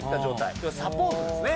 要はサポートですね。